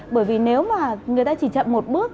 bởi vì nếu mà người ta chỉ chậm một bước